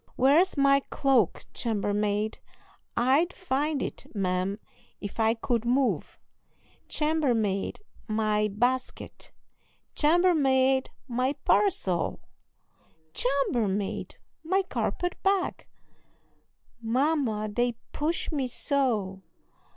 "Where's my cloak, chambermaid?" "I'd find it, ma'am, if I could move." "Chambermaid, my basket!" "Chambermaid, my parasol!" "Chambermaid, my carpet bag!" "Mamma, they push me so!"